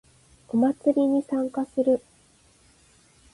お祭りに参加する